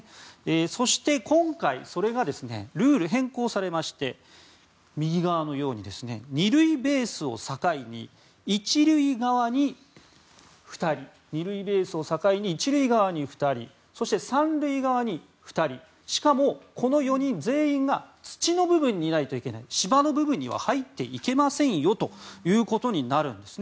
そして、今回それがルール変更されまして右側のように２塁ベースを境に１塁側に２人そして、３塁側に２人しかも、この４人全員が土の部分にいないといけない芝の部分には入っちゃいけませんよということになるんです。